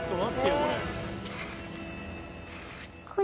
これ。